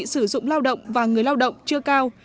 sử dụng lao động và người lao động chưa cao